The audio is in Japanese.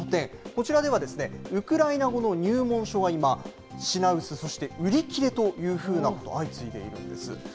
こちらではウクライナ語の入門書が今、品薄、そして売り切れというふうなこと、相次いでいるんです。